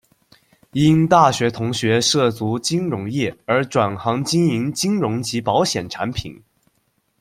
因大学同学涉足金融业而转行经营金融及保险产品。